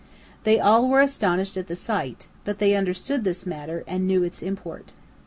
They all were astonished at the sight, but they understood this matter, and knew its import.